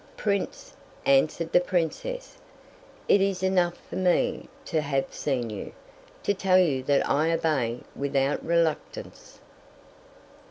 _" _"Prince," answered the Princess, "it is enough for me to have seen you, to tell you that I obey without reluctance."